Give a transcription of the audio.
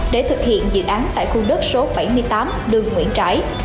để thực hiện dự án tại khu đất số bảy mươi tám đường nguyễn trãi